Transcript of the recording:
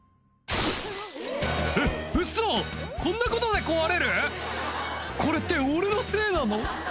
「えっウソ！こんなことで壊れる⁉」「これって俺のせいなの？」